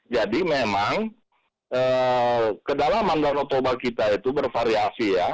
jadi memang kedalaman danau toba kita itu bervariasi ya